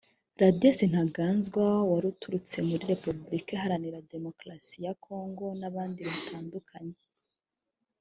Ladislas Ntaganzwa waturutse muri Repubulika Iharanira Demukarasi ya Congo n’abandi batandukanye